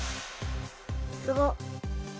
すごっ。